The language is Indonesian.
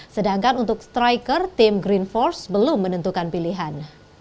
sedangkan untuk striker tim green force belum menentukan pilihan